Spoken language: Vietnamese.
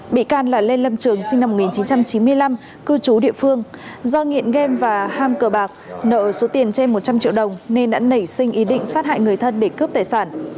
bị can là lê lâm trường sinh năm một nghìn chín trăm chín mươi năm cư trú địa phương do nghiện game và ham cờ bạc nợ số tiền trên một trăm linh triệu đồng nên đã nảy sinh ý định sát hại người thân để cướp tài sản